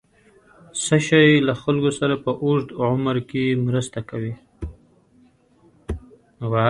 څه شی له خلکو سره په اوږد عمر کې مرسته کوي؟